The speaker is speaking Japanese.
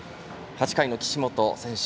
８回の岸本選手。